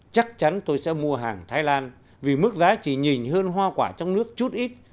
chắc chắn tôi sẽ mua hàng thái lan vì mức giá chỉ nhìn hơn hoa quả trong nước chút ít